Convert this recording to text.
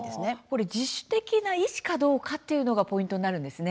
自主的な意思かどうかというのがポイントになるんですね。